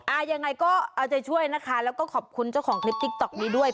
ยังไงก็เอาใจช่วยนะคะแล้วก็ขอบคุณเจ้าของคลิปติ๊กต๊อกนี้ด้วย